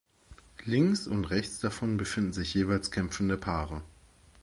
Links und rechts davon befinden sich jeweils kämpfende Paare.